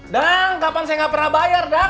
dang kapan saya enggak pernah bayar dang